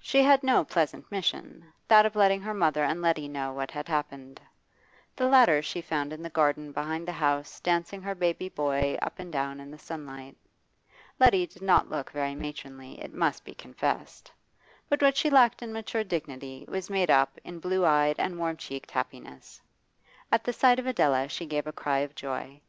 She had no pleasant mission that of letting her mother and Letty know what had happened. The latter she found in the garden behind the house dancing her baby boy up and down in the sunlight. Letty did not look very matronly, it must be confessed; but what she lacked in mature dignity was made up in blue eyed and warm checked happiness. At the sight of Adela she gave a cry of joy.